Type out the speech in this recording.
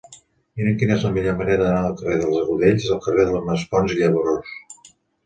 Mira'm quina és la millor manera d'anar del carrer dels Agudells al carrer de Maspons i Labrós.